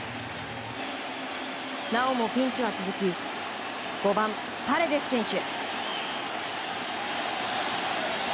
なおもピンチは続き５番、パレデス選手。